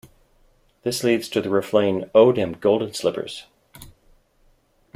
This leads to the refrain: Oh, dem golden slippers!